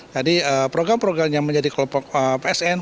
jadi program program yang menjadi psn